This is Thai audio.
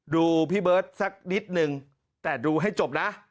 พี่เบิร์ตสักนิดนึงแต่ดูให้จบนะ